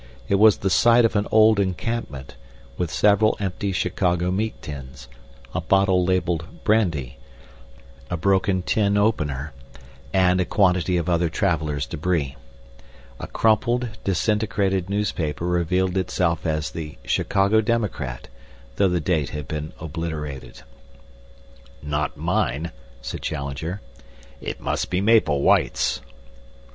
It was the site of an old encampment, with several empty Chicago meat tins, a bottle labeled "Brandy," a broken tin opener, and a quantity of other travelers' debris. A crumpled, disintegrated newspaper revealed itself as the Chicago Democrat, though the date had been obliterated. "Not mine," said Challenger. "It must be Maple White's."